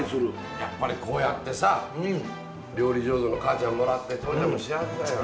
やっぱりこうやってさ料理上手の母ちゃんもらって父ちゃんも幸せだよな。